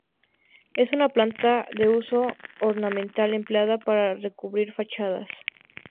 Es una planta de uso ornamental empleada para recubrir fachadas.